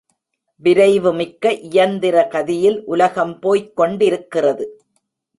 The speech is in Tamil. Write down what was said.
விரைவு மிக்க இயந்திர கதியில் உலகம் போய்க் கொண்டிருக்கிறது.